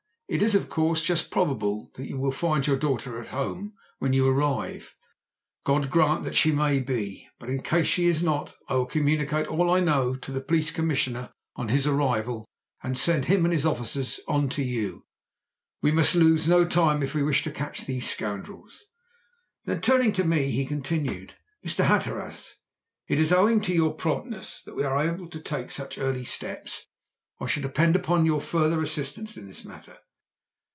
"It is of course just probable that you will find your daughter at her home when you arrive. God grant she may be! But in case she is not I will communicate all I know to the Police Commissioner on his arrival, and send him and his officers on to you. We must lose no time if we wish to catch these scoundrels." Then turning to me, he continued: "Mr. Hatteras, it is owing to your promptness that we are able to take such early steps. I shall depend upon your further assistance in this matter."